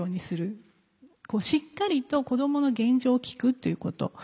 しっかりと子どもの現状を聞くということ。